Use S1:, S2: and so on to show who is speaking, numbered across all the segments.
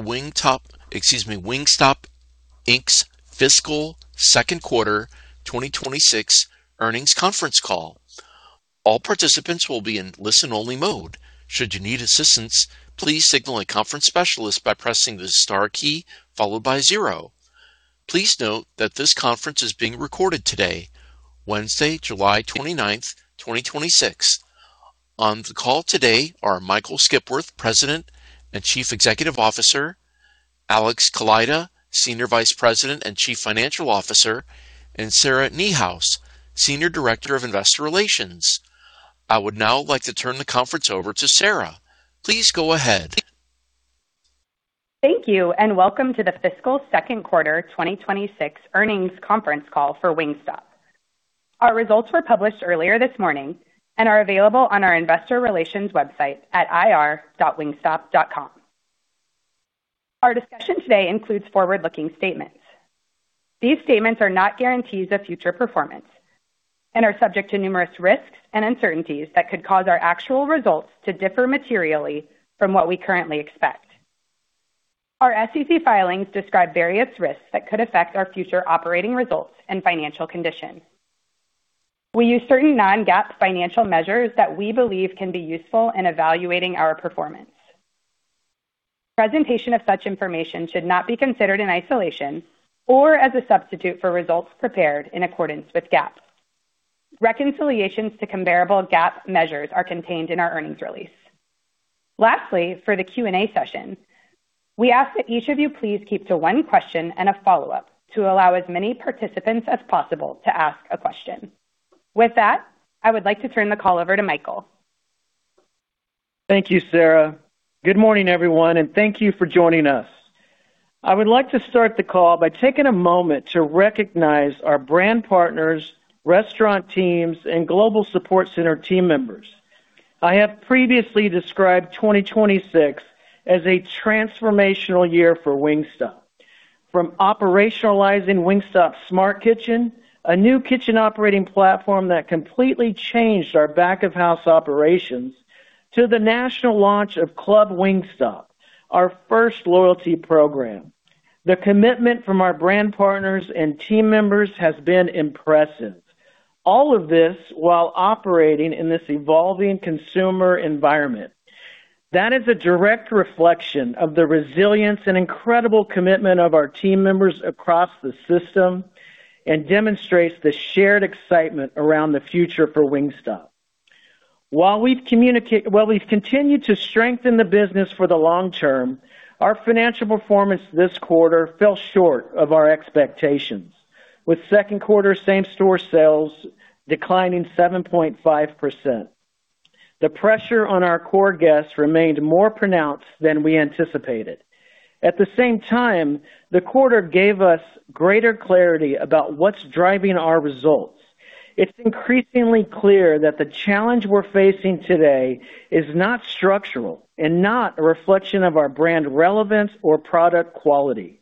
S1: Wingstop Inc.'s Fiscal Second Quarter 2026 Earnings Conference Call. All participants will be in listen-only mode. Should you need assistance, please signal a conference specialist by pressing the star key followed by zero. Please note that this conference is being recorded today, Wednesday, July 29th, 2026. On the call today are Michael Skipworth, President and Chief Executive Officer, Alex Kaleida, Senior Vice President and Chief Financial Officer, and Sarah Niehaus, Senior Director of Investor Relations. I would now like to turn the conference over to Sarah. Please go ahead.
S2: Thank you, welcome to the fiscal second quarter 2026 earnings conference call for Wingstop. Our results were published earlier this morning and are available on our investor relations website at ir.wingstop.com. Our discussion today includes forward-looking statements. These statements are not guarantees of future performance and are subject to numerous risks and uncertainties that could cause our actual results to differ materially from what we currently expect. Our SEC filings describe various risks that could affect our future operating results and financial condition. We use certain non-GAAP financial measures that we believe can be useful in evaluating our performance. Presentation of such information should not be considered in isolation or as a substitute for results prepared in accordance with GAAP. Reconciliations to comparable GAAP measures are contained in our earnings release. Lastly, for the Q&A session, we ask that each of you please keep to one question and a follow-up to allow as many participants as possible to ask a question. With that, I would like to turn the call over to Michael.
S3: Thank you, Sarah. Good morning, everyone, thank you for joining us. I would like to start the call by taking a moment to recognize our brand partners, restaurant teams, and global support center team members. I have previously described 2026 as a transformational year for Wingstop. From operationalizing Wingstop Smart Kitchen, a new kitchen operating platform that completely changed our back-of-house operations, to the national launch of Club Wingstop, our first loyalty program. The commitment from our brand partners and team members has been impressive. All of this while operating in this evolving consumer environment. That is a direct reflection of the resilience and incredible commitment of our team members across the system and demonstrates the shared excitement around the future for Wingstop. While we've continued to strengthen the business for the long term, our financial performance this quarter fell short of our expectations, with second quarter same-store sales declining 7.5%. The pressure on our core guests remained more pronounced than we anticipated. At the same time, the quarter gave us greater clarity about what's driving our results. It's increasingly clear that the challenge we're facing today is not structural and not a reflection of our brand relevance or product quality.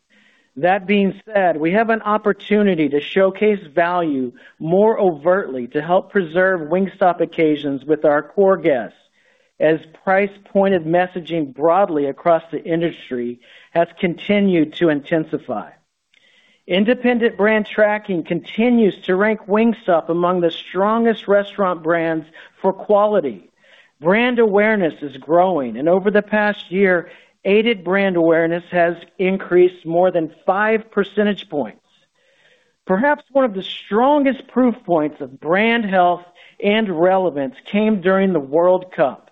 S3: That being said, we have an opportunity to showcase value more overtly to help preserve Wingstop occasions with our core guests, as price pointed messaging broadly across the industry has continued to intensify. Independent brand tracking continues to rank Wingstop among the strongest restaurant brands for quality. Brand awareness is growing, and over the past year, aided brand awareness has increased more than 5 percentage points. Perhaps one of the strongest proof points of brand health and relevance came during the World Cup.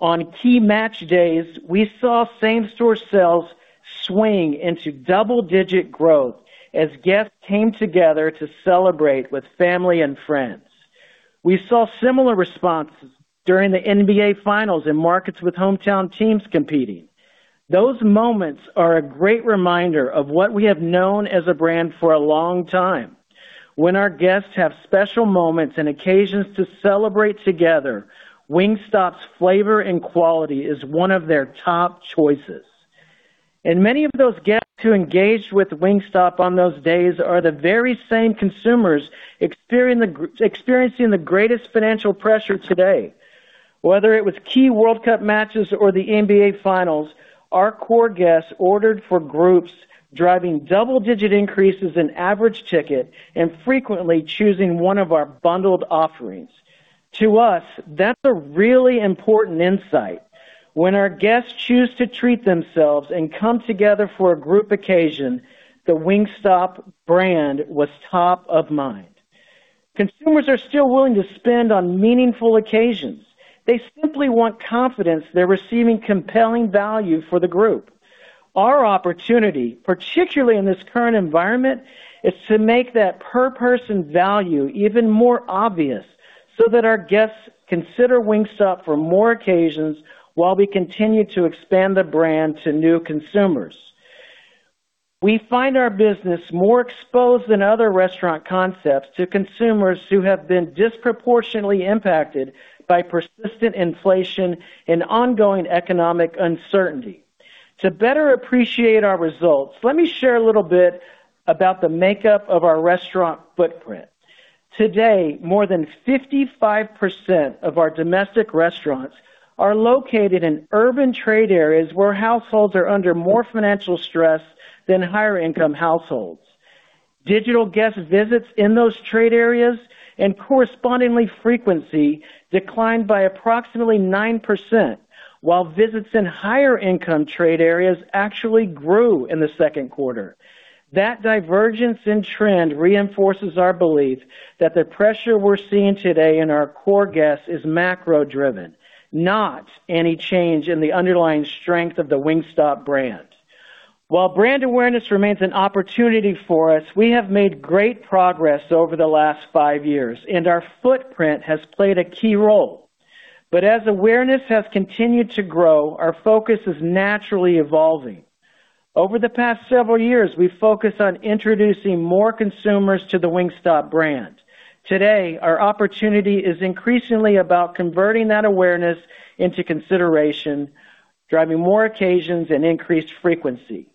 S3: On key match days, we saw same-store sales swing into double-digit growth as guests came together to celebrate with family and friends. We saw similar responses during the NBA Finals in markets with hometown teams competing. Those moments are a great reminder of what we have known as a brand for a long time. When our guests have special moments and occasions to celebrate together, Wingstop's flavor and quality is one of their top choices. Many of those guests who engaged with Wingstop on those days are the very same consumers experiencing the greatest financial pressure today. Whether it was key World Cup matches or the NBA Finals, our core guests ordered for groups, driving double-digit increases in average ticket, and frequently choosing one of our bundled offerings. To us, that's a really important insight. When our guests choose to treat themselves and come together for a group occasion, the Wingstop brand was top of mind. Consumers are still willing to spend on meaningful occasions. They simply want confidence they're receiving compelling value for the group. Our opportunity, particularly in this current environment, is to make that per person value even more obvious so that our guests consider Wingstop for more occasions while we continue to expand the brand to new consumers. We find our business more exposed than other restaurant concepts to consumers who have been disproportionately impacted by persistent inflation and ongoing economic uncertainty. To better appreciate our results, let me share a little bit about the makeup of our restaurant footprint. Today, more than 55% of our domestic restaurants are located in urban trade areas where households are under more financial stress than higher income households. Digital guest visits in those trade areas and correspondingly frequency declined by approximately 9%, while visits in higher income trade areas actually grew in the second quarter. That divergence in trend reinforces our belief that the pressure we're seeing today in our core guests is macro-driven, not any change in the underlying strength of the Wingstop brand. While brand awareness remains an opportunity for us, we have made great progress over the last five years, and our footprint has played a key role. As awareness has continued to grow, our focus is naturally evolving. Over the past several years, we've focused on introducing more consumers to the Wingstop brand. Today, our opportunity is increasingly about converting that awareness into consideration, driving more occasions and increased frequency.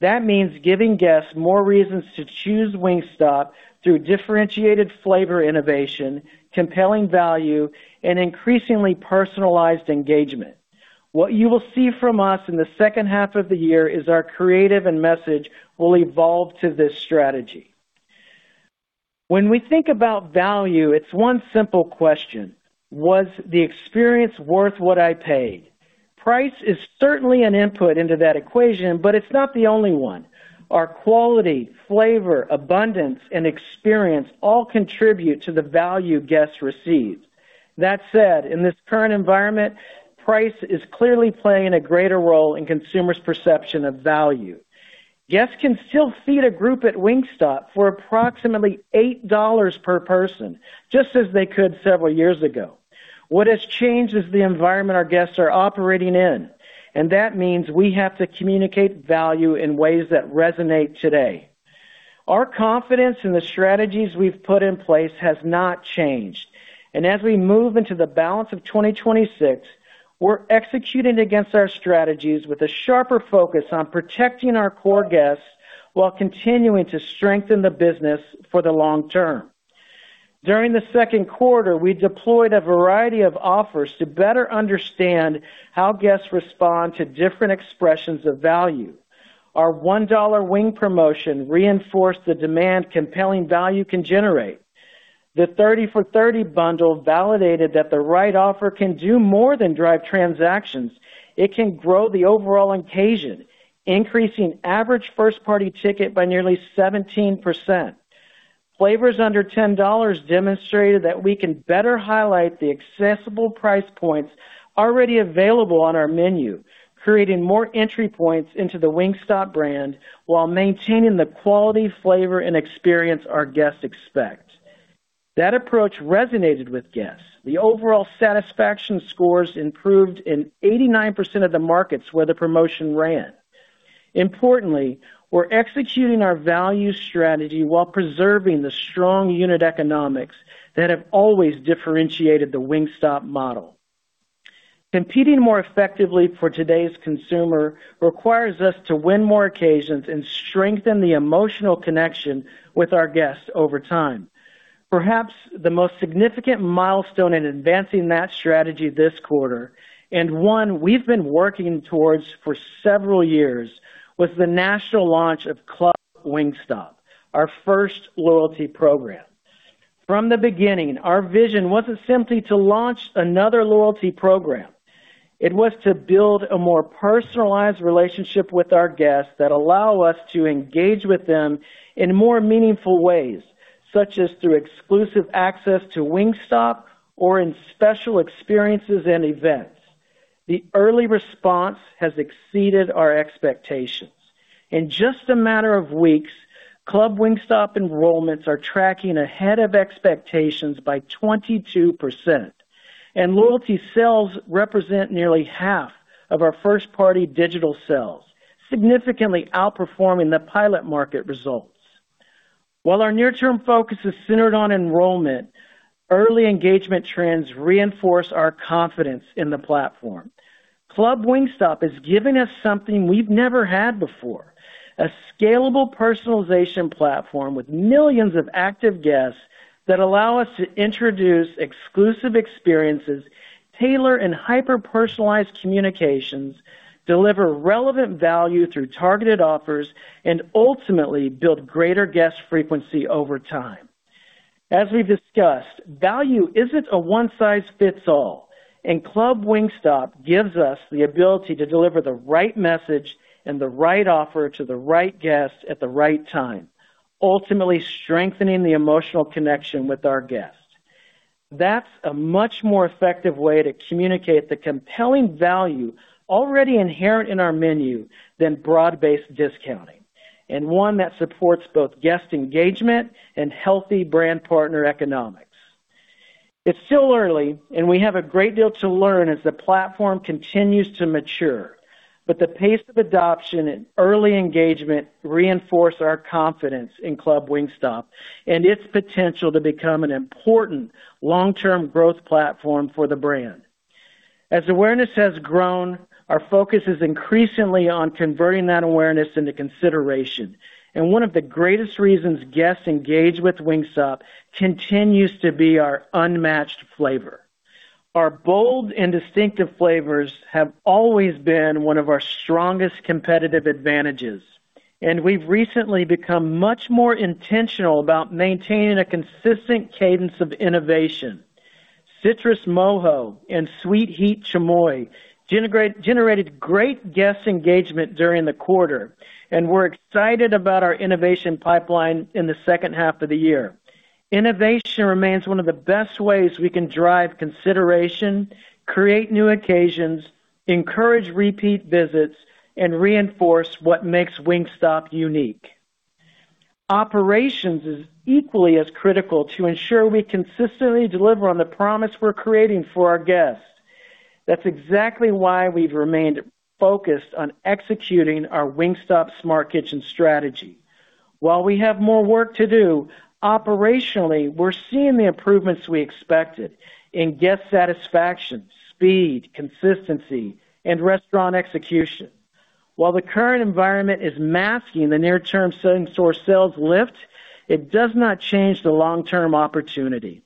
S3: That means giving guests more reasons to choose Wingstop through differentiated flavor innovation, compelling value, and increasingly personalized engagement. What you will see from us in the second half of the year is our creative and message will evolve to this strategy. When we think about value, it's one simple question: Was the experience worth what I paid? Price is certainly an input into that equation, but it's not the only one. Our quality, flavor, abundance, and experience all contribute to the value guests receive. That said, in this current environment, price is clearly playing a greater role in consumers' perception of value. Guests can still feed a group at Wingstop for approximately $8 per person, just as they could several years ago. What has changed is the environment our guests are operating in, that means we have to communicate value in ways that resonate today. Our confidence in the strategies we've put in place has not changed, as we move into the balance of 2026, we're executing against our strategies with a sharper focus on protecting our core guests while continuing to strengthen the business for the long term. During the second quarter, we deployed a variety of offers to better understand how guests respond to different expressions of value. Our $1 wing promotion reinforced the demand compelling value can generate. The 30 for $30 bundle validated that the right offer can do more than drive transactions. It can grow the overall occasion, increasing average first-party ticket by nearly 17%. Flavors under $10 demonstrated that we can better highlight the accessible price points already available on our menu, creating more entry points into the Wingstop brand while maintaining the quality, flavor, and experience our guests expect. That approach resonated with guests. The overall satisfaction scores improved in 89% of the markets where the promotion ran. Importantly, we're executing our value strategy while preserving the strong unit economics that have always differentiated the Wingstop model. Competing more effectively for today's consumer requires us to win more occasions and strengthen the emotional connection with our guests over time. Perhaps the most significant milestone in advancing that strategy this quarter, one we've been working towards for several years, was the national launch of Club Wingstop, our first loyalty program. From the beginning, our vision wasn't simply to launch another loyalty program. It was to build a more personalized relationship with our guests that allow us to engage with them in more meaningful ways, such as through exclusive access to Wingstop or in special experiences and events. The early response has exceeded our expectations. In just a matter of weeks, Club Wingstop enrollments are tracking ahead of expectations by 22%, loyalty sales represent nearly half of our first-party digital sales, significantly outperforming the pilot market results. Club Wingstop is giving us something we've never had before, a scalable personalization platform with millions of active guests that allow us to introduce exclusive experiences, tailor and hyper-personalized communications, deliver relevant value through targeted offers, and ultimately build greater guest frequency over time. As we've discussed, value isn't a one-size-fits-all, Club Wingstop gives us the ability to deliver the right message and the right offer to the right guest at the right time, ultimately strengthening the emotional connection with our guests. That's a much more effective way to communicate the compelling value already inherent in our menu than broad-based discounting, and one that supports both guest engagement and healthy brand partner economics. It's still early, and we have a great deal to learn as the platform continues to mature, but the pace of adoption and early engagement reinforce our confidence in Club Wingstop and its potential to become an important long-term growth platform for the brand. As awareness has grown, our focus is increasingly on converting that awareness into consideration. One of the greatest reasons guests engage with Wingstop continues to be our unmatched flavor. Our bold and distinctive flavors have always been one of our strongest competitive advantages, and we've recently become much more intentional about maintaining a consistent cadence of innovation. Citrus Mojo and Sweet Heat Chamoy generated great guest engagement during the quarter, and we're excited about our innovation pipeline in the second half of the year. Innovation remains one of the best ways we can drive consideration, create new occasions, encourage repeat visits, and reinforce what makes Wingstop unique. Operations is equally as critical to ensure we consistently deliver on the promise we're creating for our guests. That's exactly why we've remained focused on executing our Wingstop Smart Kitchen strategy. While we have more work to do, operationally, we're seeing the improvements we expected in guest satisfaction, speed, consistency, and restaurant execution. While the current environment is masking the near-term same-store sales lift, it does not change the long-term opportunity.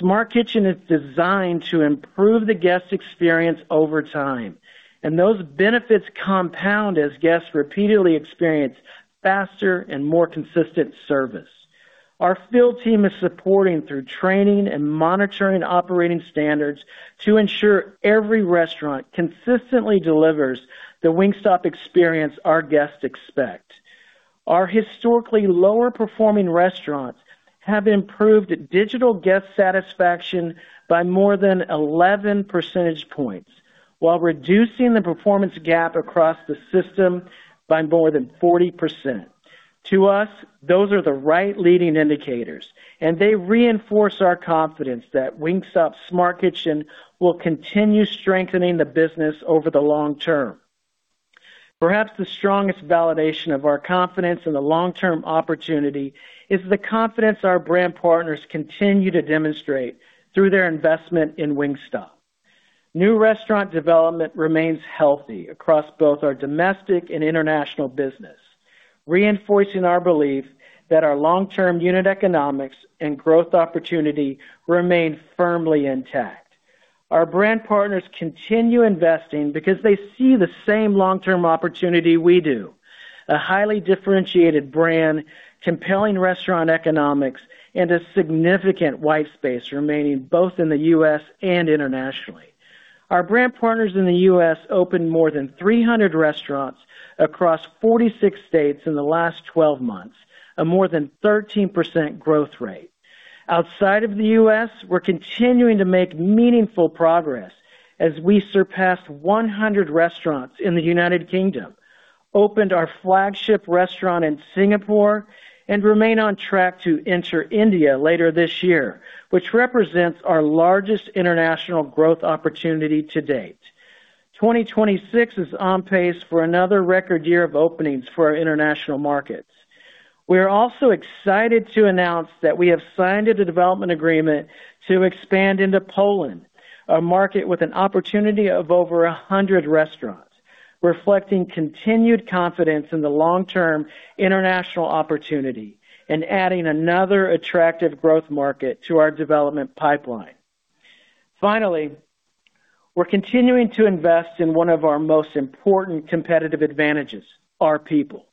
S3: Smart Kitchen is designed to improve the guest experience over time, and those benefits compound as guests repeatedly experience faster and more consistent service. Our field team is supporting through training and monitoring operating standards to ensure every restaurant consistently delivers the Wingstop experience our guests expect. Our historically lower-performing restaurants have improved digital guest satisfaction by more than 11 percentage points while reducing the performance gap across the system by more than 40%. To us, those are the right leading indicators, and they reinforce our confidence that Wingstop Smart Kitchen will continue strengthening the business over the long term. Perhaps the strongest validation of our confidence in the long-term opportunity is the confidence our brand partners continue to demonstrate through their investment in Wingstop. New restaurant development remains healthy across both our domestic and international business, reinforcing our belief that our long-term unit economics and growth opportunity remain firmly intact. Our brand partners continue investing because they see the same long-term opportunity we do. A highly differentiated brand, compelling restaurant economics, and a significant white space remaining both in the U.S. and internationally. Our brand partners in the U.S. opened more than 300 restaurants across 46 states in the last 12 months, a more than 13% growth rate. Outside of the U.S., we're continuing to make meaningful progress as we surpass 100 restaurants in the United Kingdom, opened our flagship restaurant in Singapore, and remain on track to enter India later this year, which represents our largest international growth opportunity to date. 2026 is on pace for another record year of openings for our international markets. We are also excited to announce that we have signed a development agreement to expand into Poland, a market with an opportunity of over 100 restaurants, reflecting continued confidence in the long-term international opportunity and adding another attractive growth market to our development pipeline. Finally, we're continuing to invest in one of our most important competitive advantages, our people.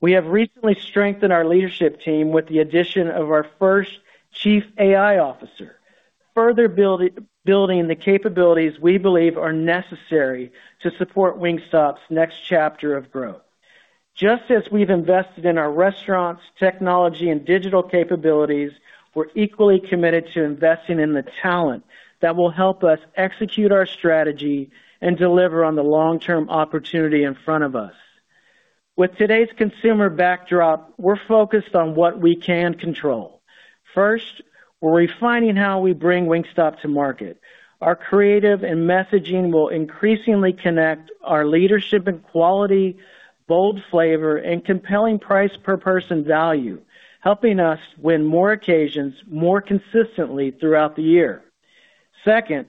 S3: We have recently strengthened our leadership team with the addition of our first Chief AI Officer, further building the capabilities we believe are necessary to support Wingstop's next chapter of growth. Just as we've invested in our restaurants, technology, and digital capabilities, we're equally committed to investing in the talent that will help us execute our strategy and deliver on the long-term opportunity in front of us. With today's consumer backdrop, we're focused on what we can control. First, we're refining how we bring Wingstop to market. Our creative and messaging will increasingly connect our leadership in quality, bold flavor, and compelling price per person value, helping us win more occasions more consistently throughout the year. Second,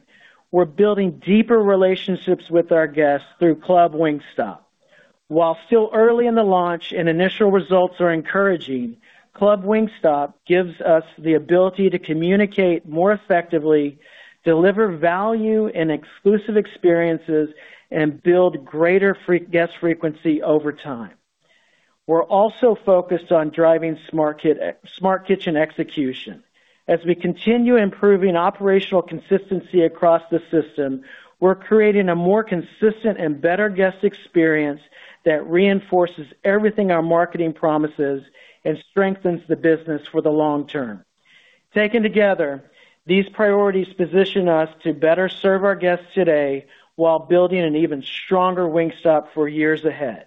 S3: we're building deeper relationships with our guests through Club Wingstop. While still early in the launch and initial results are encouraging, Club Wingstop gives us the ability to communicate more effectively, deliver value and exclusive experiences, and build greater guest frequency over time. We're also focused on driving Smart Kitchen execution. As we continue improving operational consistency across the system, we're creating a more consistent and better guest experience that reinforces everything our marketing promises and strengthens the business for the long term. Taken together, these priorities position us to better serve our guests today while building an even stronger Wingstop for years ahead.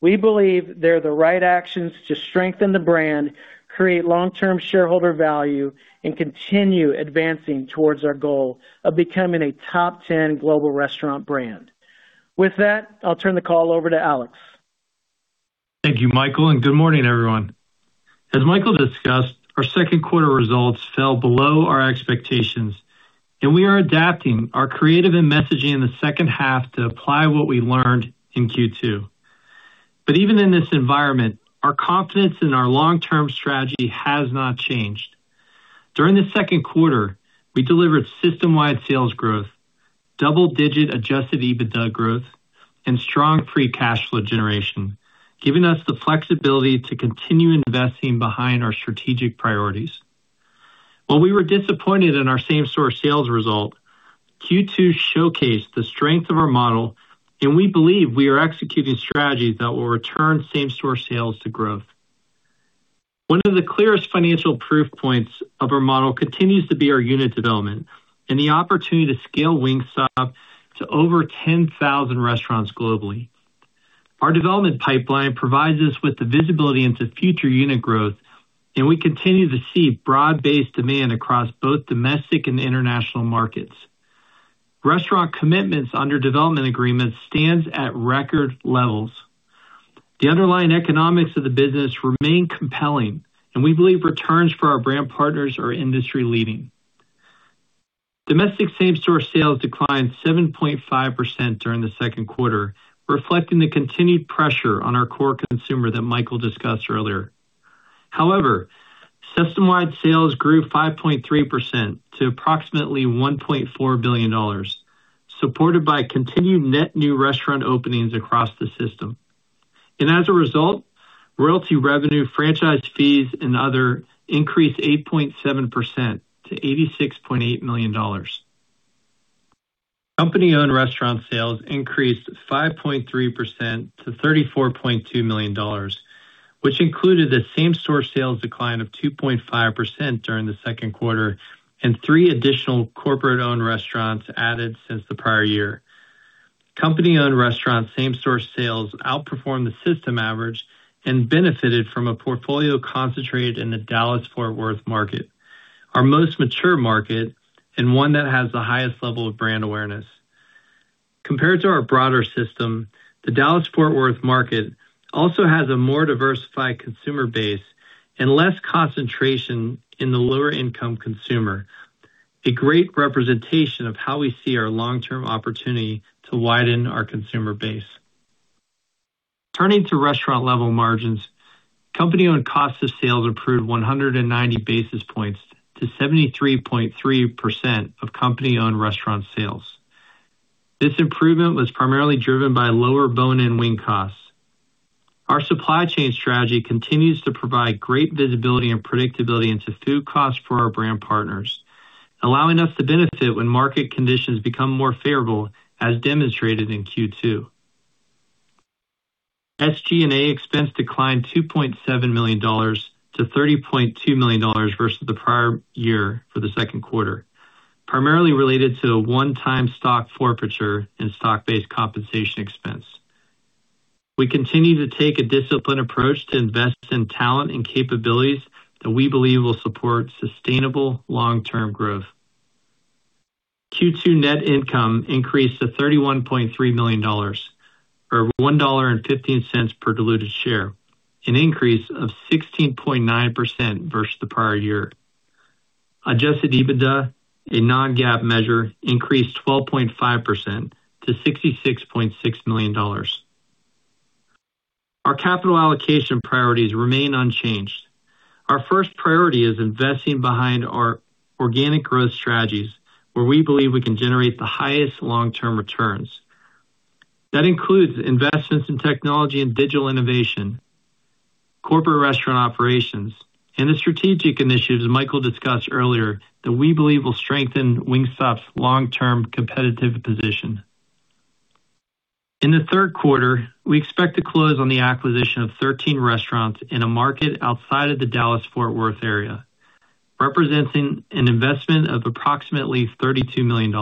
S3: We believe they're the right actions to strengthen the brand, create long-term shareholder value, and continue advancing towards our goal of becoming a top 10 global restaurant brand. With that, I'll turn the call over to Alex.
S4: Thank you, Michael, and good morning, everyone. As Michael discussed, our second quarter results fell below our expectations. We are adapting our creative and messaging in the second half to apply what we learned in Q2. Even in this environment, our confidence in our long-term strategy has not changed. During the second quarter, we delivered system-wide sales growth, double-digit adjusted EBITDA growth, and strong free cash flow generation, giving us the flexibility to continue investing behind our strategic priorities. While we were disappointed in our same-store sales result, Q2 showcased the strength of our model, and we believe we are executing strategies that will return same-store sales to growth. One of the clearest financial proof points of our model continues to be our unit development and the opportunity to scale Wingstop to over 10,000 restaurants globally. Our development pipeline provides us with the visibility into future unit growth. We continue to see broad-based demand across both domestic and international markets. Restaurant commitments under development agreements stands at record levels. The underlying economics of the business remain compelling. We believe returns for our brand partners are industry leading. Domestic same-store sales declined 7.5% during the second quarter, reflecting the continued pressure on our core consumer that Michael discussed earlier. System-wide sales grew 5.3% to approximately $1.4 billion, supported by continued net new restaurant openings across the system. As a result, royalty revenue, franchise fees, and other increased 8.7% to $86.8 million. Company-owned restaurant sales increased 5.3% to $34.2 million, which included a same-store sales decline of 2.5% during the second quarter and three additional corporate-owned restaurants added since the prior year. Company-owned restaurant same-store sales outperformed the system average. Benefited from a portfolio concentrated in the Dallas-Fort Worth market, our most mature market. One that has the highest level of brand awareness. Compared to our broader system, the Dallas-Fort Worth market also has a more diversified consumer base. Less concentration in the lower income consumer. A great representation of how we see our long-term opportunity to widen our consumer base. Turning to restaurant level margins, company-owned cost of sales improved 190 basis points to 73.3% of company-owned restaurant sales. This improvement was primarily driven by lower bone and wing costs. Our supply chain strategy continues to provide great visibility and predictability into food costs for our brand partners, allowing us to benefit when market conditions become more favorable, as demonstrated in Q2. SG&A expense declined $2.7 million to $30.2 million versus the prior year for the second quarter, primarily related to a one-time stock forfeiture and stock-based compensation expense. We continue to take a disciplined approach to invest in talent and capabilities that we believe will support sustainable long-term growth. Q2 net income increased to $31.3 million, or $1.15 per diluted share, an increase of 16.9% versus the prior year. Adjusted EBITDA, a non-GAAP measure, increased 12.5% to $66.6 million. Our capital allocation priorities remain unchanged. Our first priority is investing behind our organic growth strategies, where we believe we can generate the highest long-term returns. That includes investments in technology and digital innovation, corporate restaurant operations, and the strategic initiatives Michael discussed earlier that we believe will strengthen Wingstop's long-term competitive position. In the third quarter, we expect to close on the acquisition of 13 restaurants in a market outside of the Dallas-Fort Worth area, representing an investment of approximately $32 million.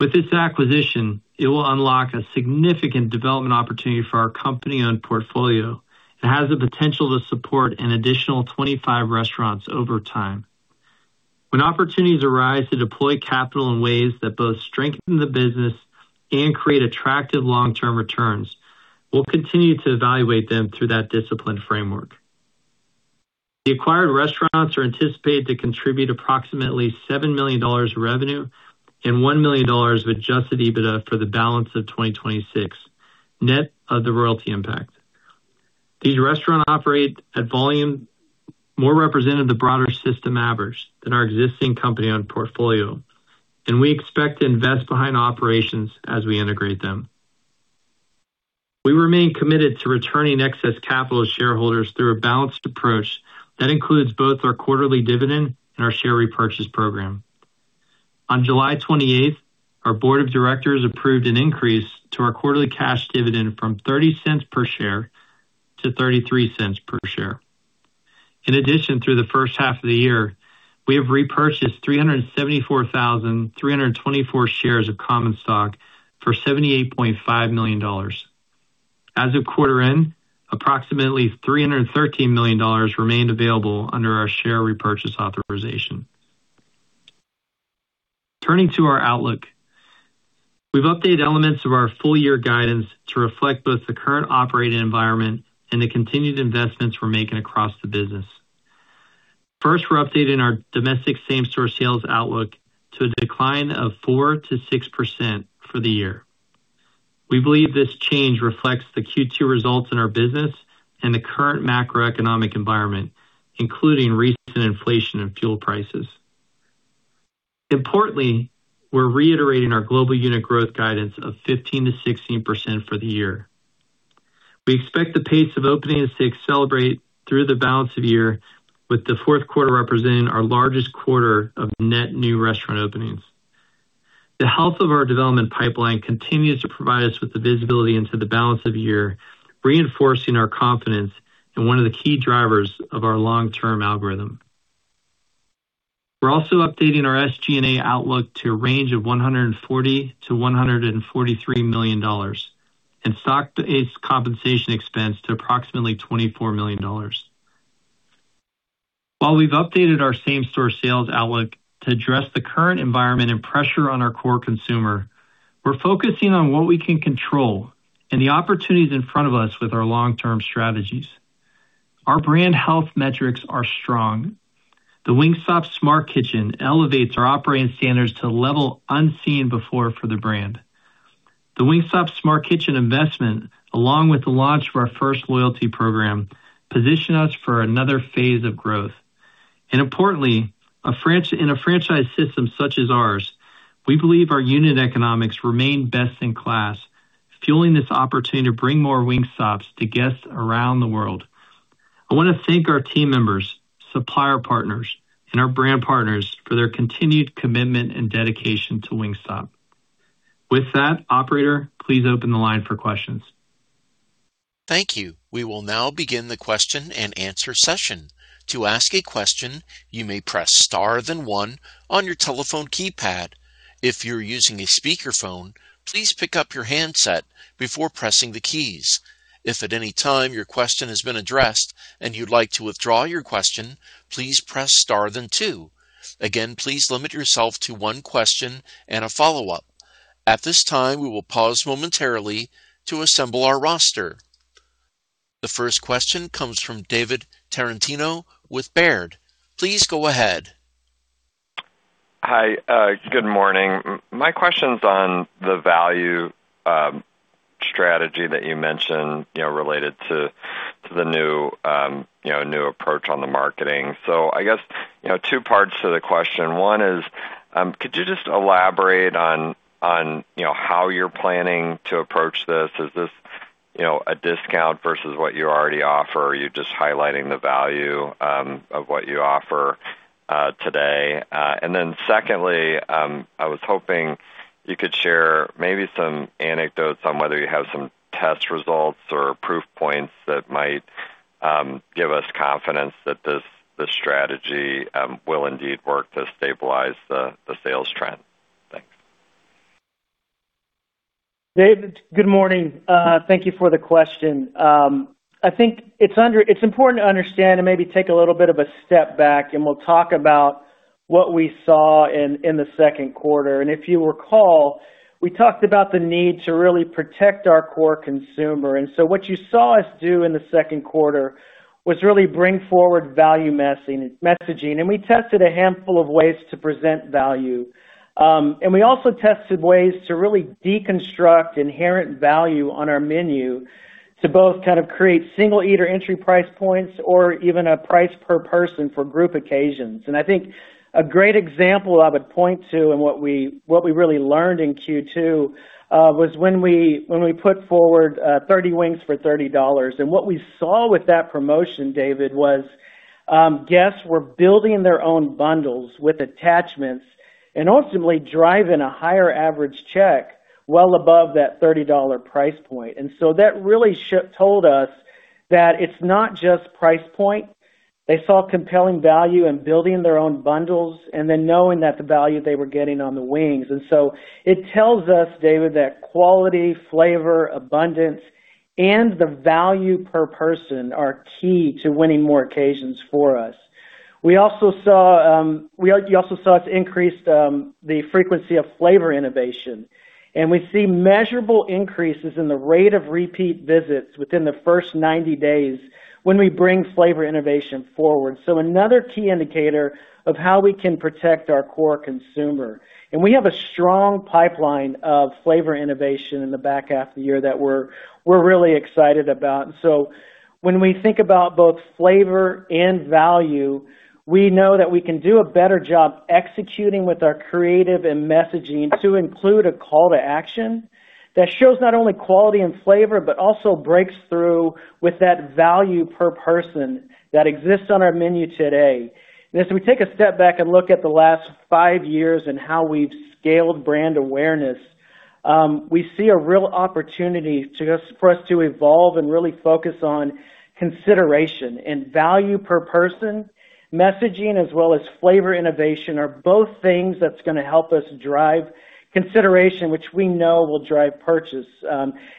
S4: With this acquisition, it will unlock a significant development opportunity for our company-owned portfolio and has the potential to support an additional 25 restaurants over time. When opportunities arise to deploy capital in ways that both strengthen the business and create attractive long-term returns, we'll continue to evaluate them through that disciplined framework. The acquired restaurants are anticipated to contribute approximately $7 million revenue and $1 million of Adjusted EBITDA for the balance of 2026, net of the royalty impact. These restaurants operate at volume more representative of the broader system average than our existing company-owned portfolio. We expect to invest behind operations as we integrate them. We remain committed to returning excess capital to shareholders through a balanced approach that includes both our quarterly dividend and our share repurchase program. On July 28th, our board of directors approved an increase to our quarterly cash dividend from $0.30 per share to $0.33 per share. In addition, through the first half of the year, we have repurchased 374,324 shares of common stock for $78.5 million. As of quarter end, approximately $313 million remained available under our share repurchase authorization. Turning to our outlook. We've updated elements of our full year guidance to reflect both the current operating environment and the continued investments we're making across the business. First, we're updating our domestic same-store sales outlook to a decline of 4%-6% for the year. We believe this change reflects the Q2 results in our business and the current macroeconomic environment, including recent inflation in fuel prices. Importantly, we're reiterating our global unit growth guidance of 15%-16% for the year. We expect the pace of openings to accelerate through the balance of the year, with the fourth quarter representing our largest quarter of net new restaurant openings. The health of our development pipeline continues to provide us with the visibility into the balance of the year, reinforcing our confidence in one of the key drivers of our long-term algorithm. We're also updating our SG&A outlook to a range of $140 million-$143 million and stock-based compensation expense to approximately $24 million. While we've updated our same-store sales outlook to address the current environment and pressure on our core consumer, we're focusing on what we can control and the opportunities in front of us with our long-term strategies. Our brand health metrics are strong. The Wingstop Smart Kitchen elevates our operating standards to a level unseen before for the brand. The Wingstop Smart Kitchen investment, along with the launch of our first loyalty program, position us for another phase of growth. Importantly, in a franchise system such as ours, we believe our unit economics remain best in class, fueling this opportunity to bring more Wingstops to guests around the world. I want to thank our team members, supplier partners, and our brand partners for their continued commitment and dedication to Wingstop. With that, operator, please open the line for questions.
S1: Thank you. We will now begin the question and answer session. To ask a question, you may press star then one on your telephone keypad. If you're using a speakerphone, please pick up your handset before pressing the keys. If at any time your question has been addressed and you'd like to withdraw your question, please press star then two. Again, please limit yourself to one question and a follow-up. At this time, we will pause momentarily to assemble our roster. The first question comes from David Tarantino with Baird. Please go ahead.
S5: Hi. Good morning. My question's on the value strategy that you mentioned related to the new approach on the marketing. I guess, two parts to the question. One is, could you just elaborate on how you're planning to approach this? Is this a discount versus what you already offer or are you just highlighting the value of what you offer today? Secondly, I was hoping you could share maybe some anecdotes on whether you have some test results or proof points that might give us confidence that this strategy will indeed work to stabilize the sales trend. Thanks.
S3: David, good morning. Thank you for the question. I think it's important to understand and maybe take a little bit of a step back and we'll talk about what we saw in the second quarter. If you recall, we talked about the need to really protect our core consumer. What you saw us do in the second quarter was really bring forward value messaging. We tested a handful of ways to present value. We also tested ways to really deconstruct inherent value on our menu to both kind of create single eater entry price points or even a price per person for group occasions. I think a great example I would point to and what we really learned in Q2, was when we put forward 30 wings for $30. What we saw with that promotion, David, was guests were building their own bundles with attachments and ultimately driving a higher average check well above that $30 price point. That really told us that it's not just price point. They saw compelling value in building their own bundles and then knowing that the value they were getting on the wings. It tells us, David, that quality, flavor, abundance, and the value per person are key to winning more occasions for us. You also saw us increase the frequency of flavor innovation, and we see measurable increases in the rate of repeat visits within the first 90 days when we bring flavor innovation forward. Another key indicator of how we can protect our core consumer. We have a strong pipeline of flavor innovation in the back half of the year that we're really excited about. When we think about both flavor and value, we know that we can do a better job executing with our creative and messaging to include a call to action that shows not only quality and flavor, but also breaks through with that value per person that exists on our menu today. As we take a step back and look at the last five years and how we've scaled brand awareness, we see a real opportunity for us to evolve and really focus on consideration and value per person. Messaging as well as flavor innovation are both things that's going to help us drive consideration, which we know will drive purchase.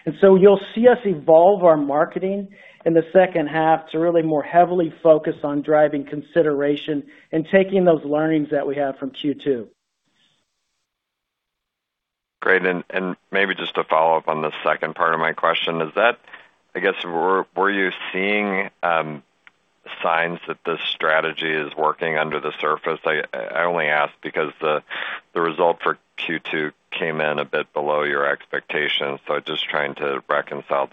S3: You'll see us evolve our marketing in the second half to really more heavily focus on driving consideration and taking those learnings that we have from Q2.
S5: Great. Maybe just to follow up on the second part of my question is that, I guess, were you seeing signs that this strategy is working under the surface? I only ask because the result for Q2 came in a bit below your expectations. Just trying to reconcile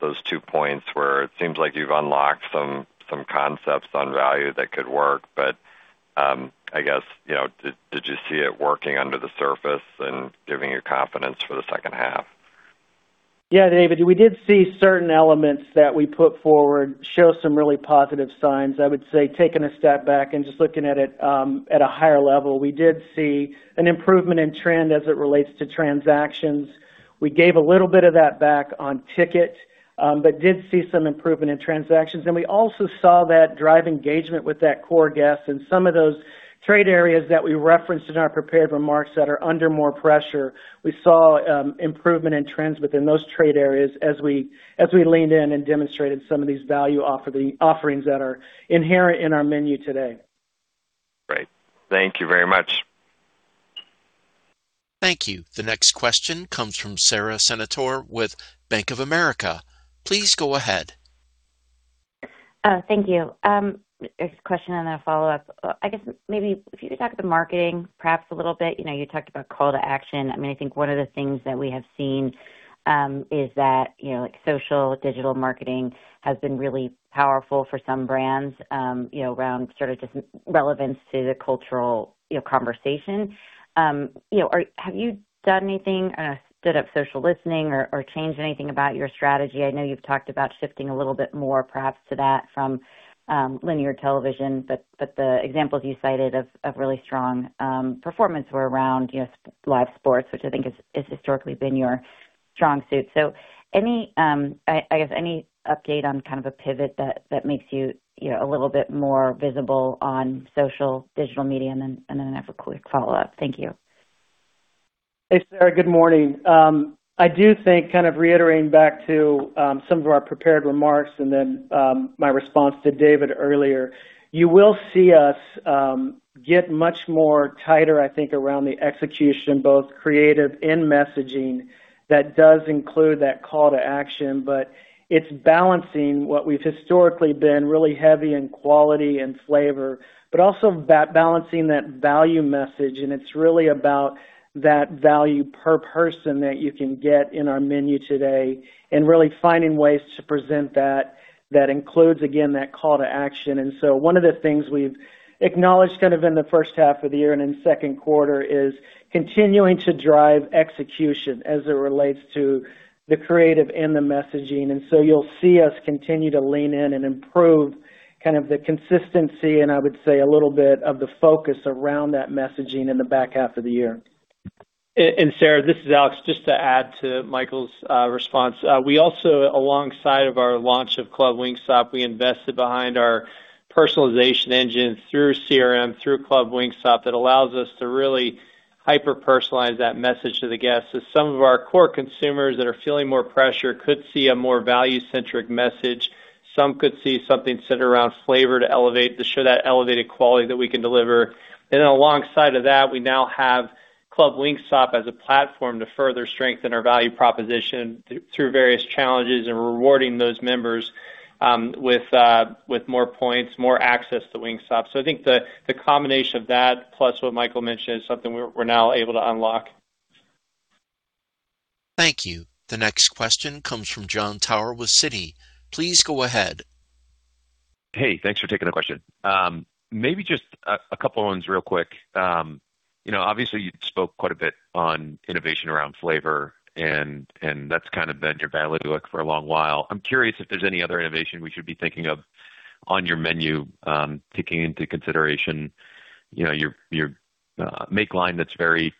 S5: those two points where it seems like you've unlocked some concepts on value that could work, but, I guess, did you see it working under the surface and giving you confidence for the second half?
S3: Yeah, David, we did see certain elements that we put forward show some really positive signs. I would say taking a step back and just looking at it at a higher level. We did see an improvement in trend as it relates to transactions. We gave a little bit of that back on ticket, but did see some improvement in transactions. We also saw that drive engagement with that core guest and some of those trade areas that we referenced in our prepared remarks that are under more pressure. We saw improvement in trends within those trade areas as we leaned in and demonstrated some of these value offerings that are inherent in our menu today.
S5: Great. Thank you very much.
S1: Thank you. The next question comes from Sara Senatore with Bank of America. Please go ahead.
S6: Thank you. A question and a follow-up. I guess maybe if you could talk about marketing perhaps a little bit. You talked about call to action. I think one of the things that we have seen, is that, like social digital marketing has been really powerful for some brands, around sort of just relevance to the cultural conversation. Have you done anything, stood up social listening or changed anything about your strategy? I know you've talked about shifting a little bit more perhaps to that from linear television, but the examples you cited of really strong performance were around live sports, which I think is historically been your strong suit. I guess any update on kind of a pivot that makes you a little bit more visible on social digital media and then I have a quick follow-up. Thank you.
S3: Hey, Sarah. Good morning. I do think kind of reiterating back to some of our prepared remarks and then my response to David earlier, you will see us get much more tighter, I think, around the execution, both creative and messaging that does include that call to action, but it's balancing what we've historically been really heavy in quality and flavor, but also balancing that value message, and it's really about that value per person that you can get in our menu today and really finding ways to present that includes, again, that call to action. One of the things we've acknowledged kind of in the first half of the year and in the second quarter is continuing to drive execution as it relates to the creative and the messaging. You'll see us continue to lean in and improve kind of the consistency and I would say a little bit of the focus around that messaging in the back half of the year.
S4: Sara, this is Alex Kaleida. Just to add to Michael Skipworth's response. We also, alongside of our launch of Club Wingstop, we invested behind our personalization engine through CRM, through Club Wingstop, that allows us to really hyper personalize that message to the guests. Some of our core consumers that are feeling more pressure could see a more value-centric message. Some could see something centered around flavor to elevate, to show that elevated quality that we can deliver. Alongside of that, we now have Club Wingstop as a platform to further strengthen our value proposition through various challenges and rewarding those members with more points, more access to Wingstop. I think the combination of that plus what Michael Skipworth mentioned is something we're now able to unlock.
S1: Thank you. The next question comes from Jon Tower with Citi. Please go ahead.
S7: Hey, thanks for taking the question. Maybe just a couple ones real quick. Obviously, you spoke quite a bit on innovation around flavor, and that's kind of been your value look for a long while. I'm curious if there's any other innovation we should be thinking of on your menu, taking into consideration your make line that's very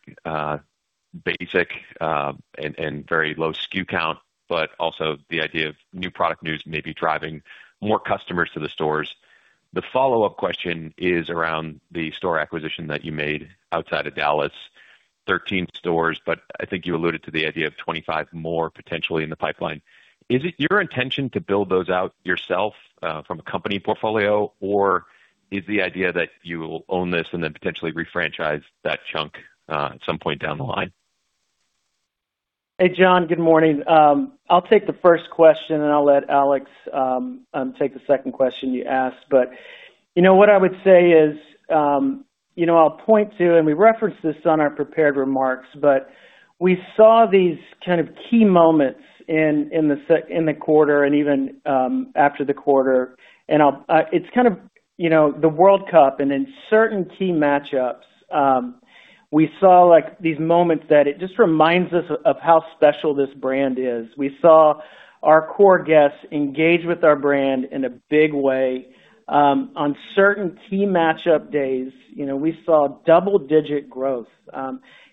S7: basic and very low SKU count, but also the idea of new product news maybe driving more customers to the stores. The follow-up question is around the store acquisition that you made outside of Dallas, 13 stores, but I think you alluded to the idea of 25 more potentially in the pipeline. Is it your intention to build those out yourself from a company portfolio, or is the idea that you will own this and then potentially refranchise that chunk at some point down the line?
S3: Hey, Jon. Good morning. I'll take the first question, and I'll let Alex take the second question you asked. What I would say is, I'll point to, and we referenced this on our prepared remarks, but we saw these kind of key moments in the quarter and even after the quarter. It's kind of the World Cup and in certain key matchups, we saw these moments that it just reminds us of how special this brand is. We saw our core guests engage with our brand in a big way. On certain key matchup days, we saw double-digit growth.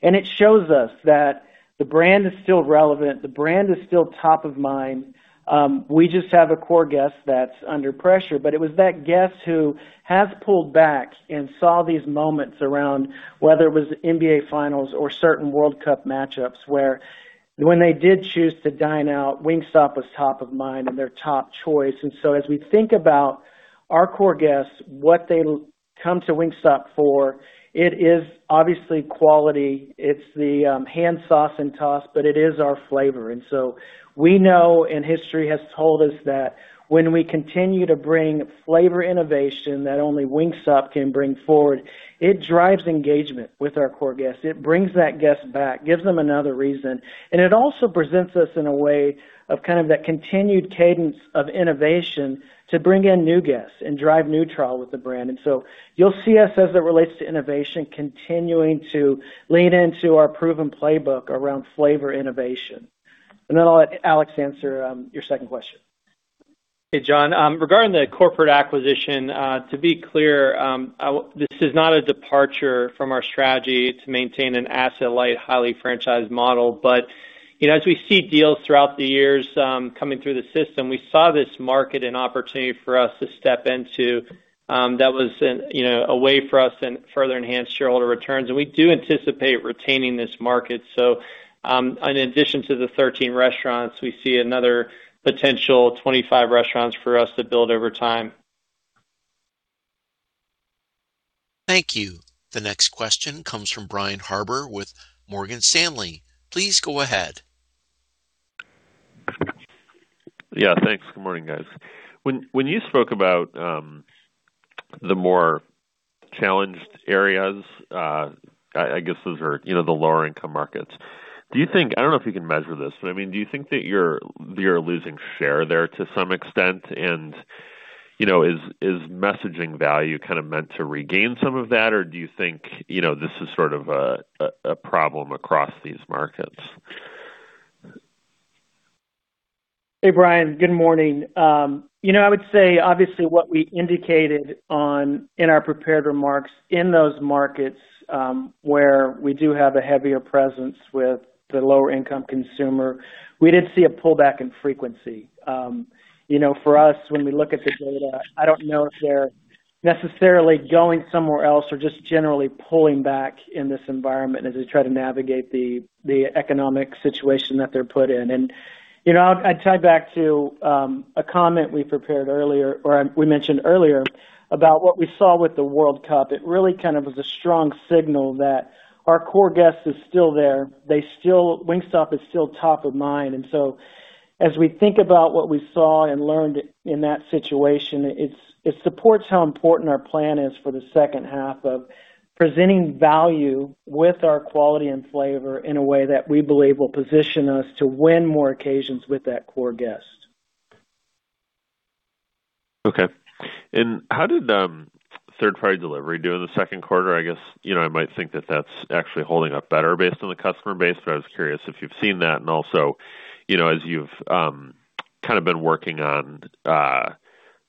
S3: It shows us that the brand is still relevant. The brand is still top of mind. We just have a core guest that's under pressure. It was that guest who has pulled back and saw these moments around whether it was NBA Finals or certain World Cup matchups where when they did choose to dine out, Wingstop was top of mind and their top choice. As we think about our core guests, what they come to Wingstop for, it is obviously quality, it's the hand sauce and toss, but it is our flavor. We know, and history has told us that when we continue to bring flavor innovation that only Wingstop can bring forward, it drives engagement with our core guests. It brings that guest back, gives them another reason, and it also presents us in a way of kind of that continued cadence of innovation to bring in new guests and drive new trial with the brand. You'll see us as it relates to innovation, continuing to lean into our proven playbook around flavor innovation. I'll let Alex answer your second question.
S4: Hey, Jon. Regarding the corporate acquisition, to be clear, this is not a departure from our strategy to maintain an asset-light, highly franchised model. As we see deals throughout the years coming through the system, we saw this market an opportunity for us to step into, that was a way for us and further enhance shareholder returns. We do anticipate retaining this market. In addition to the 13 restaurants, we see another potential 25 restaurants for us to build over time.
S1: Thank you. The next question comes from Brian Harbour with Morgan Stanley. Please go ahead.
S8: Yeah, thanks. Good morning, guys. When you spoke about the more challenged areas, I guess those are the lower income markets. I don't know if you can measure this, but do you think that you're losing share there to some extent? Is messaging value kind of meant to regain some of that, or do you think this is sort of a problem across these markets?
S3: Hey, Brian. Good morning. I would say, obviously, what we indicated in our prepared remarks in those markets, where we do have a heavier presence with the lower income consumer, we did see a pullback in frequency. For us, when we look at the data, I don't know if they're necessarily going somewhere else or just generally pulling back in this environment as they try to navigate the economic situation that they're put in. I'd tie back to a comment we prepared earlier, or we mentioned earlier about what we saw with the World Cup. It really kind of was a strong signal that our core guest is still there. Wingstop is still top of mind. As we think about what we saw and learned in that situation, it supports how important our plan is for the second half of presenting value with our quality and flavor in a way that we believe will position us to win more occasions with that core guest.
S8: Okay. How did third party delivery do in the second quarter? I guess, I might think that that's actually holding up better based on the customer base, but I was curious if you've seen that. Also, as you've kind of been working on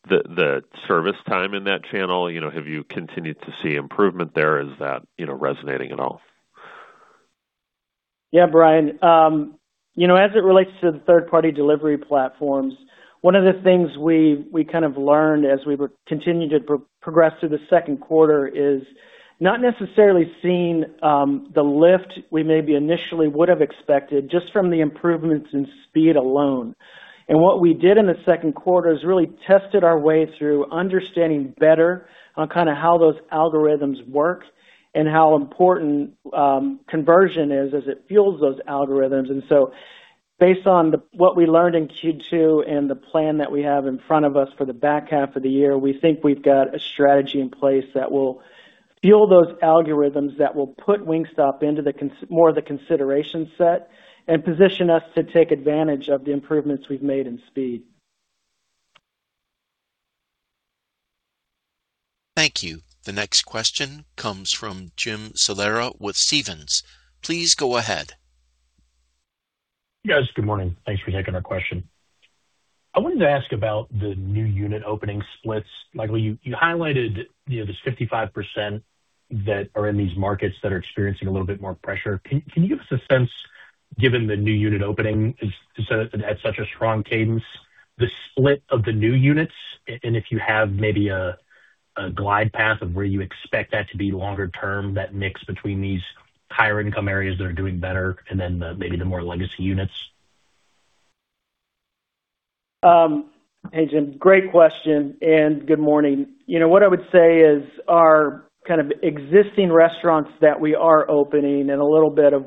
S8: the service time in that channel, have you continued to see improvement there? Is that resonating at all?
S3: Yeah, Brian. As it relates to the third party delivery platforms, one of the things we kind of learned as we continued to progress through the second quarter is not necessarily seeing the lift we maybe initially would have expected just from the improvements in speed alone. What we did in the second quarter is really tested our way through understanding better on kind of how those algorithms work and how important conversion is as it fuels those algorithms. Based on what we learned in Q2 and the plan that we have in front of us for the back half of the year, we think we've got a strategy in place that will fuel those algorithms, that will put Wingstop into more of the consideration set and position us to take advantage of the improvements we've made in speed.
S1: Thank you. The next question comes from Jim Salera with Stephens. Please go ahead.
S9: Yes, good morning. Thanks for taking our question. I wanted to ask about the new unit opening splits. Michael, you highlighted this 55% that are in these markets that are experiencing a little bit more pressure. Can you give us a sense, given the new unit opening is at such a strong cadence, the split of the new units, and if you have maybe a glide path of where you expect that to be longer term, that mix between these higher income areas that are doing better and then maybe the more legacy units?
S3: Hey, Jim, great question, good morning. What I would say is our kind of existing restaurants that we are opening and a little bit of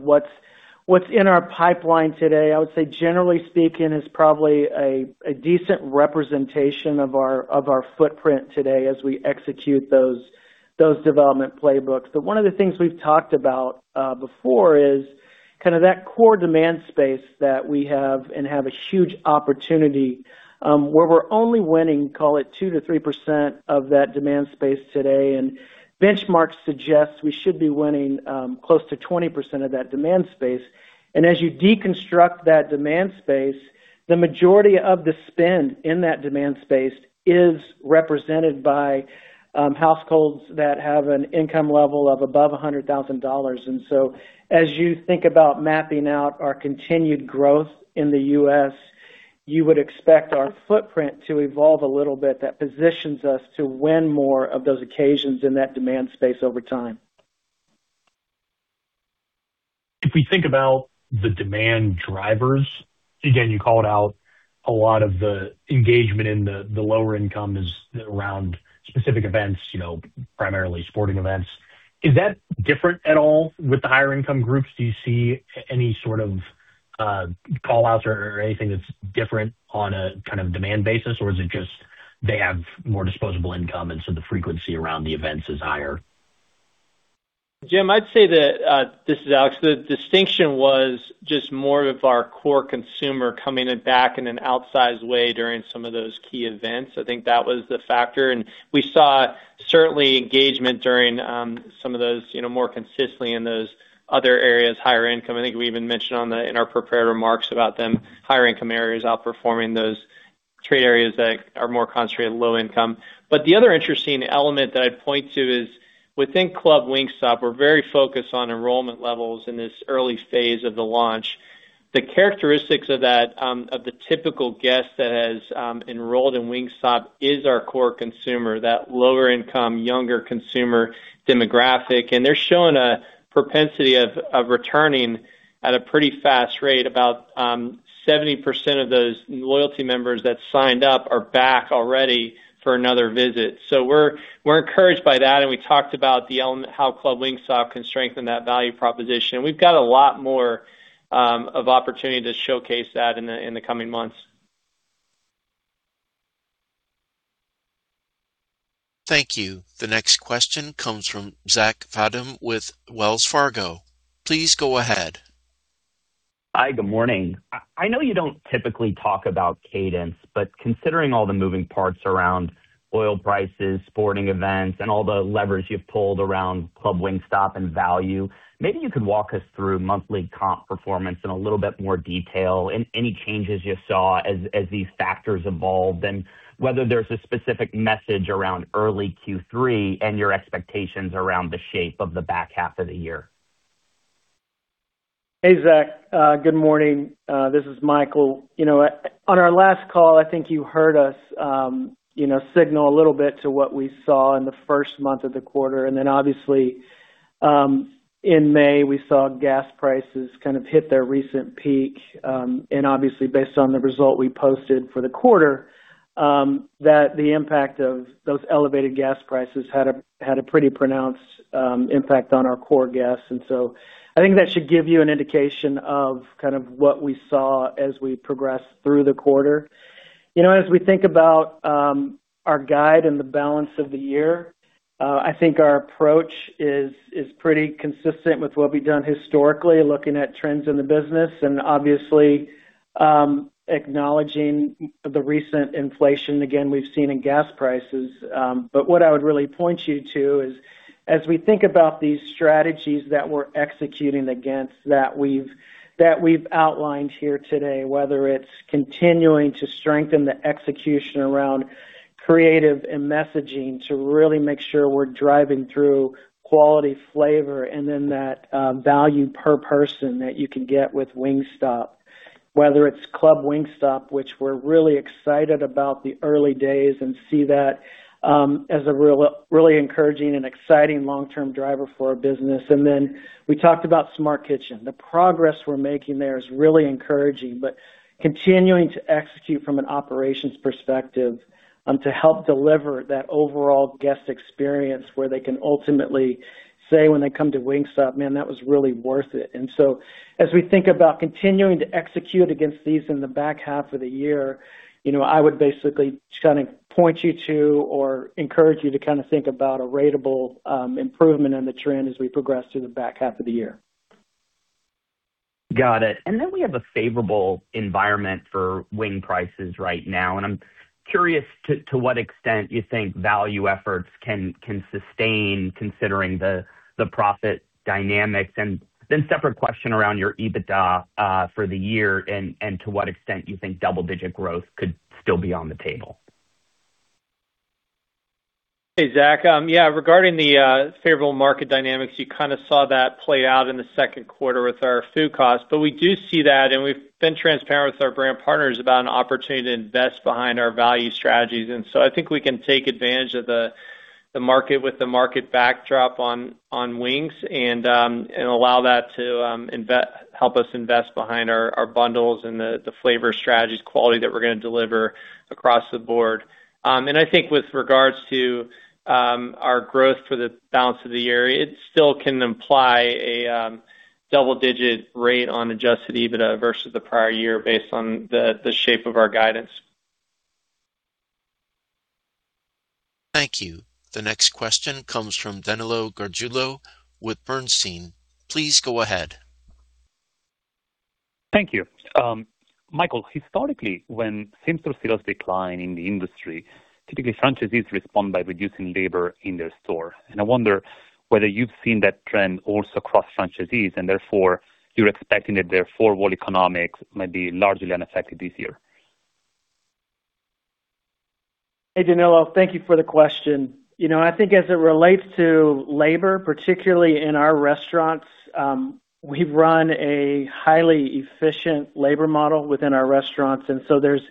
S3: what's in our pipeline today, I would say generally speaking, is probably a decent representation of our footprint today as we execute those development playbooks. One of the things we've talked about before is kind of that core demand space that we have and have a huge opportunity, where we're only winning, call it 2%-3% of that demand space today. Benchmarks suggest we should be winning close to 20% of that demand space. As you deconstruct that demand space, the majority of the spend in that demand space is represented by households that have an income level of above $100,000. As you think about mapping out our continued growth in the U.S., you would expect our footprint to evolve a little bit. That positions us to win more of those occasions in that demand space over time.
S9: If we think about the demand drivers, again, you called out a lot of the engagement in the lower income is around specific events, primarily sporting events. Is that different at all with the higher income groups? Do you see any sort of call-outs or anything that's different on a demand basis? Is it just they have more disposable income, and so the frequency around the events is higher?
S4: Jim, I'd say that, this is Alex, the distinction was just more of our core consumer coming back in an outsized way during some of those key events. I think that was the factor. We saw certainly engagement during some of those more consistently in those other areas, higher income. I think we even mentioned in our prepared remarks about them, higher income areas outperforming those trade areas that are more concentrated in low income. The other interesting element that I'd point to is within Club Wingstop, we're very focused on enrollment levels in this early phase of the launch. The characteristics of the typical guest that has enrolled in Wingstop is our core consumer, that lower income, younger consumer demographic. They're showing a propensity of returning at a pretty fast rate. About 70% of those loyalty members that signed up are back already for another visit. We're encouraged by that, and we talked about how Club Wingstop can strengthen that value proposition. We've got a lot more of opportunity to showcase that in the coming months.
S1: Thank you. The next question comes from Zach Fadem with Wells Fargo. Please go ahead.
S10: Hi. Good morning. I know you don't typically talk about cadence, considering all the moving parts around oil prices, sporting events, and all the levers you've pulled around Club Wingstop and value, maybe you could walk us through monthly comp performance in a little bit more detail and any changes you saw as these factors evolved, whether there's a specific message around early Q3 and your expectations around the shape of the back half of the year.
S3: Hey, Zach. Good morning. This is Michael. On our last call, I think you heard us signal a little bit to what we saw in the first month of the quarter. Obviously, in May, we saw gas prices kind of hit their recent peak. Obviously based on the result we posted for the quarter, the impact of those elevated gas prices had a pretty pronounced impact on our core guests. I think that should give you an indication of what we saw as we progressed through the quarter. As we think about our guide and the balance of the year, I think our approach is pretty consistent with what we've done historically, looking at trends in the business and obviously, acknowledging the recent inflation, again, we've seen in gas prices. What I would really point you to is as we think about these strategies that we're executing against, that we've outlined here today, whether it's continuing to strengthen the execution around creative and messaging to really make sure we're driving through quality flavor, that value per person that you can get with Wingstop. Whether it's Club Wingstop, which we're really excited about the early days and see that as a really encouraging and exciting long-term driver for our business. We talked about Smart Kitchen. The progress we're making there is really encouraging, continuing to execute from an operations perspective to help deliver that overall guest experience where they can ultimately say when they come to Wingstop, "Man, that was really worth it." As we think about continuing to execute against these in the back half of the year, I would basically point you to or encourage you to think about a ratable improvement in the trend as we progress through the back half of the year.
S10: Got it. We have a favorable environment for wing prices right now, I'm curious to what extent you think value efforts can sustain considering the profit dynamics. Separate question around your EBITDA for the year and to what extent you think double-digit growth could still be on the table.
S4: Hey, Zach. Yeah, regarding the favorable market dynamics, you kind of saw that play out in the second quarter with our food costs. We do see that, we've been transparent with our brand partners about an opportunity to invest behind our value strategies. I think we can take advantage of the market with the market backdrop on wings and allow that to help us invest behind our bundles and the flavor strategies quality that we're going to deliver across the board. I think with regards to our growth for the balance of the year, it still can imply a double-digit rate on adjusted EBITDA versus the prior year based on the shape of our guidance.
S1: Thank you. The next question comes from Danilo Gargiulo with Bernstein. Please go ahead.
S11: Thank you. Michael, historically, when same-store sales decline in the industry, typically franchisees respond by reducing labor in their store. I wonder whether you've seen that trend also across franchisees, and therefore you're expecting that their four wall economics might be largely unaffected this year.
S3: Hey, Danilo. Thank you for the question. I think as it relates to labor, particularly in our restaurants, we've run a highly efficient labor model within our restaurants, so there's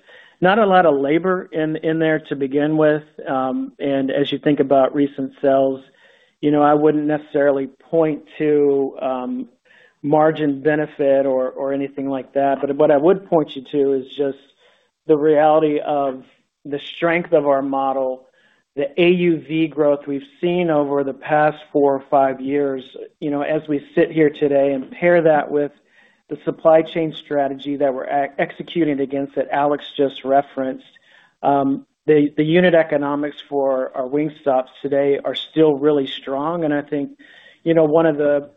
S3: not a lot of labor in there to begin with. As you think about recent sales, I wouldn't necessarily point to margin benefit or anything like that. What I would point you to is just the reality of the strength of our model, the AUV growth we've seen over the past four or five years, as we sit here today, and pair that with the supply chain strategy that we're executing against, that Alex just referenced. The unit economics for our Wingstops today are still really strong. I think, one of the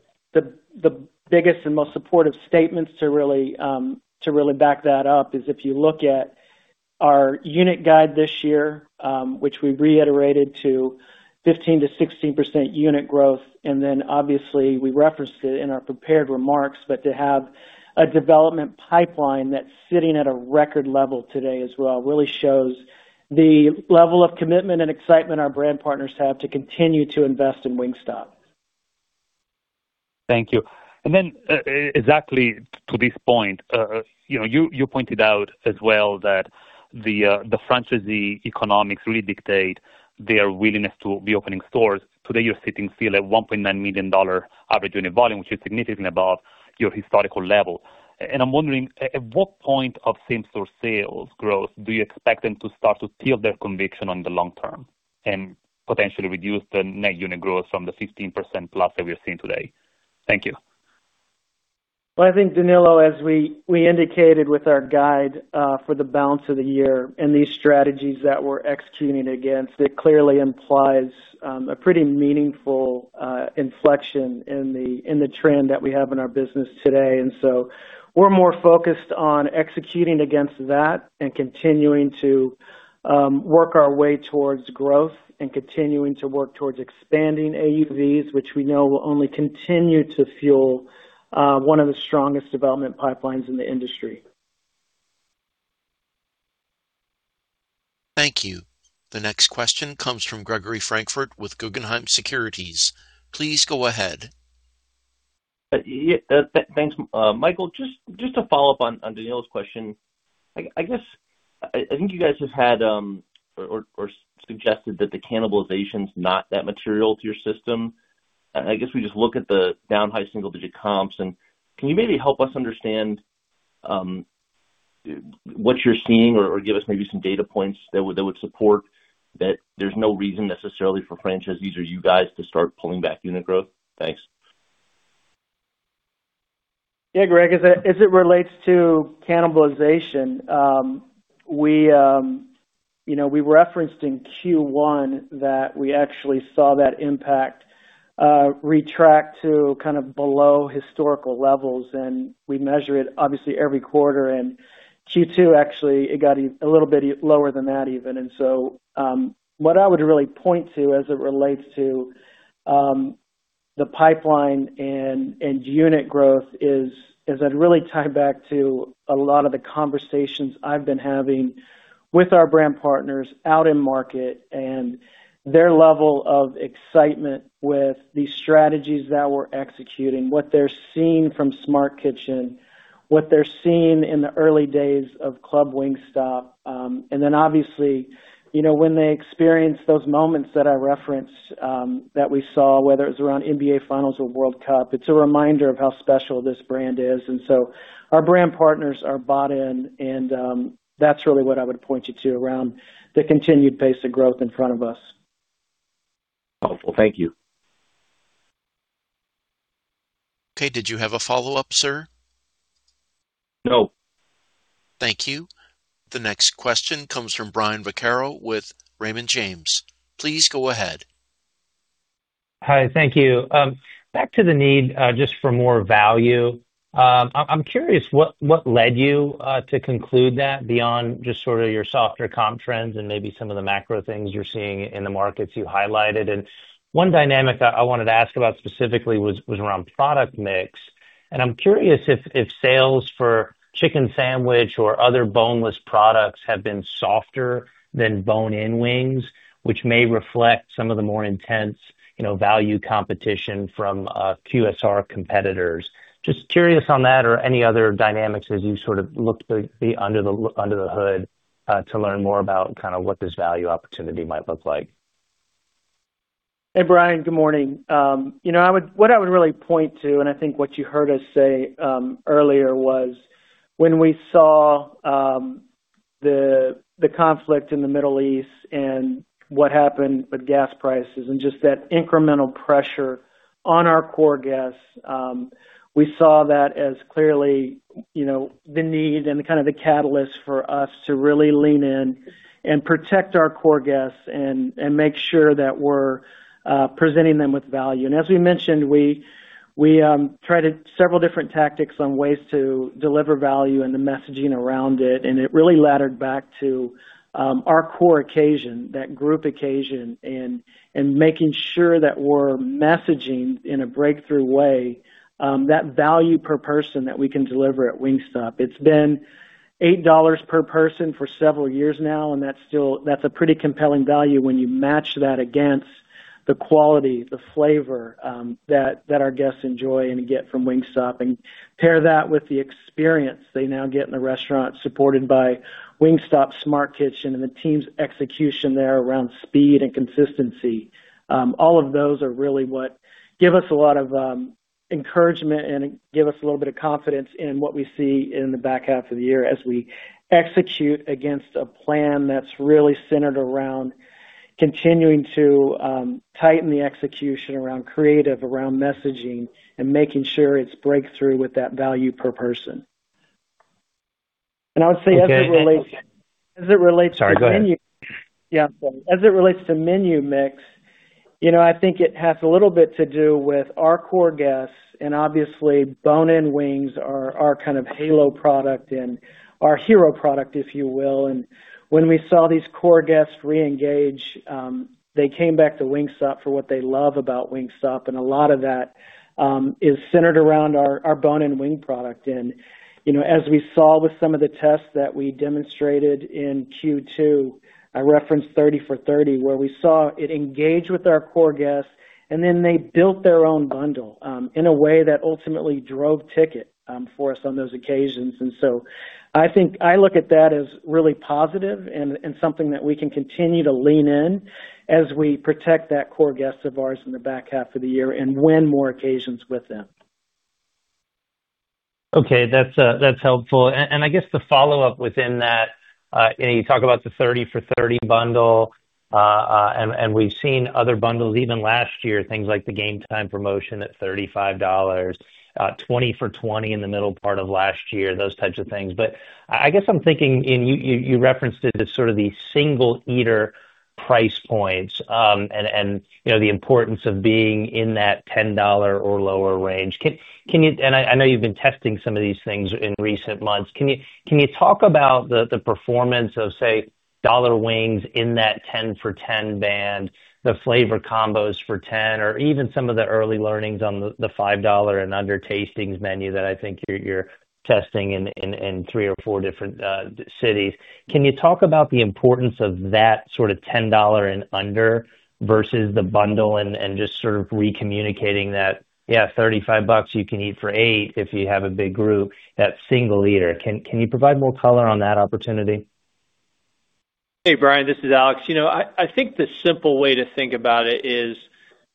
S3: biggest and most supportive statements to really back that up is if you look at our unit guide this year, which we reiterated to 15%-16% unit growth. Obviously, we referenced it in our prepared remarks, to have a development pipeline that's sitting at a record level today as well, really shows the level of commitment and excitement our brand partners have to continue to invest in Wingstop.
S11: Thank you. Exactly to this point, you pointed out as well that the franchisee economics really dictate their willingness to be opening stores. Today, you're sitting still at $1.9 million average unit volume, which is significantly above your historical level. I'm wondering, at what point of same-store sales growth do you expect them to start to feel their conviction on the long term and potentially reduce the net unit growth from the 15%+ that we are seeing today? Thank you.
S3: Well, I think, Danilo, as we indicated with our guide for the balance of the year and these strategies that we're executing against, it clearly implies a pretty meaningful inflection in the trend that we have in our business today. We're more focused on executing against that and continuing to work our way towards growth and continuing to work towards expanding AUVs, which we know will only continue to fuel one of the strongest development pipelines in the industry.
S1: Thank you. The next question comes from Gregory Francfort with Guggenheim Securities. Please go ahead.
S12: Yeah. Thanks, Michael. Just to follow up on Danilo's question, I think you guys have had or suggested that the cannibalization's not that material to your system. I guess we just look at the down high single-digit comps. Can you maybe help us understand what you're seeing or give us maybe some data points that would support that there's no reason necessarily for franchisees or you guys to start pulling back unit growth? Thanks.
S3: Yeah, Greg, as it relates to cannibalization, we referenced in Q1 that we actually saw that impact retract to kind of below historical levels, and we measure it obviously every quarter. Q2 actually, it got a little bit lower than that even. What I would really point to as it relates to the pipeline and unit growth is I'd really tie back to a lot of the conversations I've been having with our brand partners out in market and their level of excitement with the strategies that we're executing, what they're seeing from Smart Kitchen, what they're seeing in the early days of Club Wingstop. Obviously, when they experience those moments that I referenced that we saw, whether it was around NBA Finals or World Cup, it's a reminder of how special this brand is. Our brand partners are bought in, and that's really what I would point you to around the continued pace of growth in front of us.
S12: Helpful. Thank you.
S1: Okay. Did you have a follow-up, sir?
S12: No.
S1: Thank you. The next question comes from Brian Vaccaro with Raymond James. Please go ahead.
S13: Hi. Thank you. Back to the need just for more value. I'm curious what led you to conclude that beyond just sort of your softer comp trends and maybe some of the macro things you're seeing in the markets you highlighted. One dynamic I wanted to ask about specifically was around product mix. I'm curious if sales for chicken sandwich or other boneless products have been softer than bone-in wings, which may reflect some of the more intense value competition from QSR competitors. Just curious on that or any other dynamics as you sort of look under the hood to learn more about kind of what this value opportunity might look like.
S3: Hey, Brian. Good morning. What I would really point to, and I think what you heard us say earlier, was when we saw the conflict in the Middle East and what happened with gas prices and just that incremental pressure on our core guests, we saw that as clearly the need and the kind of the catalyst for us to really lean in and protect our core guests and make sure that we're presenting them with value. As we mentioned, we tried several different tactics on ways to deliver value and the messaging around it. It really laddered back to our core occasion, that group occasion, making sure that we're messaging in a breakthrough way that value per person that we can deliver at Wingstop. It's been $8 per person for several years now. That's a pretty compelling value when you match that against The quality, the flavor that our guests enjoy and get from Wingstop. Pair that with the experience they now get in the restaurant supported by Wingstop Smart Kitchen and the team's execution there around speed and consistency. All of those are really what give us a lot of encouragement and give us a little bit of confidence in what we see in the back half of the year as we execute against a plan that's really centered around continuing to tighten the execution around creative, around messaging, and making sure it's breakthrough with that value per person. I would say-
S13: Okay
S4: As it relates to menu-
S13: Sorry, go ahead.
S3: As it relates to menu mix, I think it has a little bit to do with our core guests, obviously bone-in wings are our kind of halo product and our hero product, if you will. When we saw these core guests reengage, they came back to Wingstop for what they love about Wingstop, a lot of that is centered around our bone-in wing product. As we saw with some of the tests that we demonstrated in Q2, I referenced 30 for $30, where we saw it engage with our core guests, then they built their own bundle in a way that ultimately drove ticket for us on those occasions. I look at that as really positive and something that we can continue to lean in as we protect that core guest of ours in the back half of the year and win more occasions with them.
S13: Okay. That's helpful. I guess the follow-up within that, you talk about the 30 for $30 bundle, we've seen other bundles even last year, things like the game time promotion at $35, 20 for $20 in the middle part of last year, those types of things. I guess I'm thinking, you referenced it as sort of the single eater price points, the importance of being in that $10 or lower range. I know you've been testing some of these things in recent months. Can you talk about the performance of, say, dollar wings in that 10 for $10 band, the flavor combos for 10, or even some of the early learnings on the $5 and under tastings menu that I think you're testing in three or four different cities. Can you talk about the importance of that sort of $10 and under versus the bundle and just sort of re-communicating that, yeah, $35 you can eat for eight if you have a big group, that single eater. Can you provide more color on that opportunity?
S4: Hey, Brian, this is Alex. I think the simple way to think about it is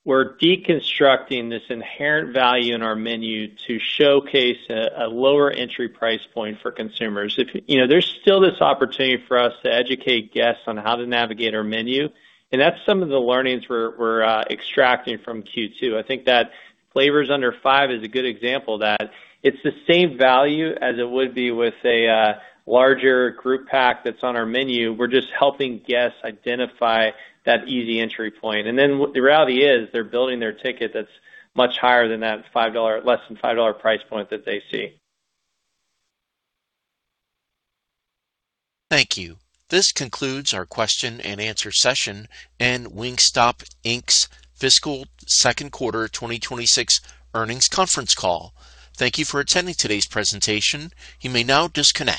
S4: we're deconstructing this inherent value in our menu to showcase a lower entry price point for consumers. There's still this opportunity for us to educate guests on how to navigate our menu, and that's some of the learnings we're extracting from Q2. I think that Flavors Under $5 is a good example that it's the same value as it would be with a larger group pack that's on our menu. We're just helping guests identify that easy entry point. The reality is, they're building their ticket that's much higher than that less than $5 price point that they see.
S1: Thank you. This concludes our question and answer session and Wingstop Inc.'s fiscal second quarter 2026 earnings conference call. Thank you for attending today's presentation. You may now disconnect.